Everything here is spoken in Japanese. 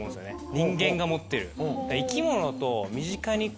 人間が持ってる。